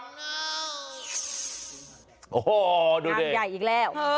น้ำใหญ่อีกแล้ว